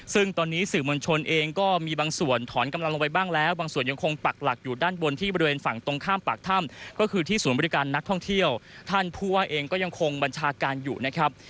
ซึ่งตอนนี้สื่อมวลชนเองก็มีบางส่วนถอนกำลังลงไปบ้างแล้วบางส่วนยังคงปักหลักอยู่ด้านบนที่บริเวณฝั่งตรงข้ามปากถ้ำก็คือที่ศูนย์บริการนักท่องเที่ยวท่านผู้ว่าเองก็ยังคงบัญชาการอยู่นะครับ